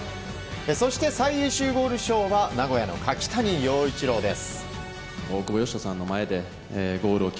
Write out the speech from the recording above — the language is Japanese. そして、最優秀ゴール賞は名古屋の柿谷曜一朗です。